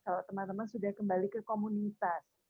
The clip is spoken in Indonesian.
kalau teman teman sudah kembali ke komunitas